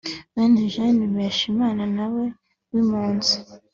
Benigne Mpeshimana nawe w’impunzi